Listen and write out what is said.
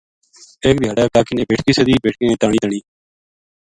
ایک دھیاڑے کا کی نے بیٹکی سدی بیٹکیاں نے تا نی تنی